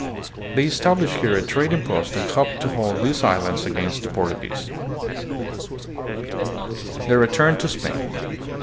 They established here a trading post and hoped to hold these islands against the Portuguese. The Return to Spain.